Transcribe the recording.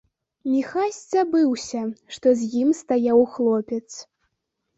Міхась забыўся, што з ім стаяў хлопец.